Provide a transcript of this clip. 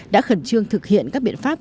đã khẩn trương thực hiện các biện pháp